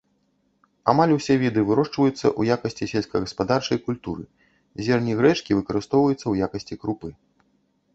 Амаль усе віды вырошчваюцца ў якасці сельскагаспадарчай культуры, зерні грэчкі выкарыстоўваюцца ў якасці крупы.